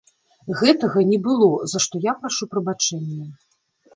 Гэтага не было, за што я прашу прабачэння.